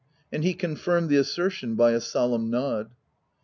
and he confirmed the assertion by a solemn nod.